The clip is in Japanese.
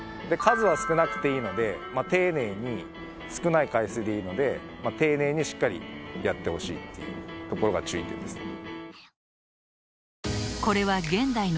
数は少なくていいので丁寧に少ない回数でいいので丁寧にしっかりやってほしいっていうところが注意点です。